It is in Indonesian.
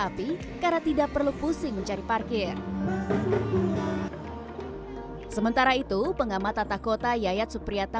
api karena tidak perlu pusing mencari parkir sementara itu pengamat tata kota yayat supriyata